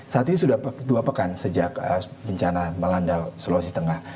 saat ini sudah dua pekan sejak bencana melanda sulawesi tengah